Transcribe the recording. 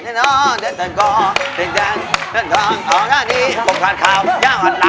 เฮ้ยเฮ้ยเฮ้ย